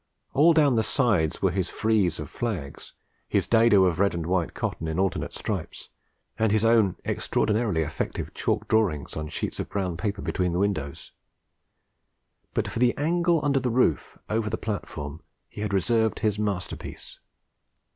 All down the sides were his frieze of flags, his dado of red and white cotton in alternate stripes, and his own extraordinarily effective chalk drawings on sheets of brown paper between the windows. But for the angle under the roof, over the platform, he had reserved his masterpiece.